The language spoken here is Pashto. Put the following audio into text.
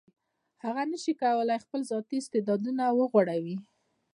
هغه نشي کولای خپل ذاتي استعدادونه وغوړوي.